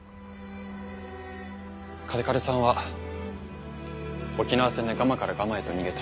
嘉手刈さんは沖縄戦でガマからガマへと逃げた。